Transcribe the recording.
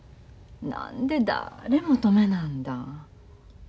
何でだれも止めなんだん？